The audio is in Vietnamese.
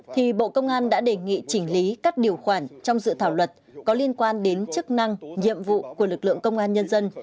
thì bộ công an đã đề nghị chỉnh lý các điều khoản trong dự thảo luật có liên quan đến chức năng nhiệm vụ của lực lượng công an nhân dân